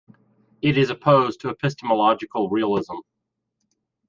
It is opposed to epistemological realism.